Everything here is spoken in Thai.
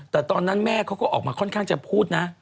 แต่ตอนนั้นแม่เขาก็ออกมาค่อนข้างจะพูดนะ